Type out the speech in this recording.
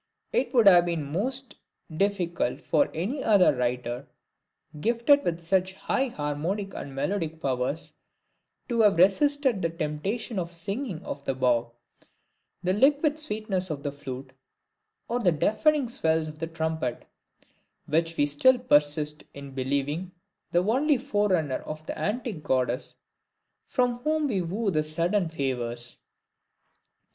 It would have been most difficult for any other writer, gifted with such high harmonic and melodic powers, to have resisted the temptation of the SINGING of the bow, the liquid sweetness of the flute, or the deafening swells of the trumpet, which we still persist in believing the only fore runner of the antique goddess from whom we woo the sudden favors.